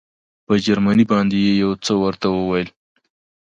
په جرمني باندې یې یو څه ورته وویل.